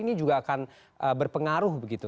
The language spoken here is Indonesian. ini juga akan berpengaruh begitu